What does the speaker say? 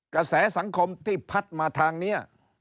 กระแสสังคมที่พัดมาทางนี้